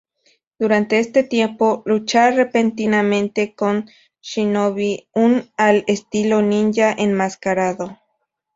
Durante este tiempo, lucha repentinamente como Shinobi, un al estilo ninja enmascarado.